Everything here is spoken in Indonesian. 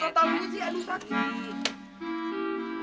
ken tau gak sih aduh sakit